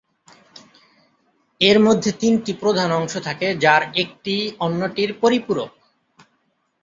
এর মধ্যে তিনটি প্রধান অংশ থাকে যার একটি অন্যটির পরিপূরক।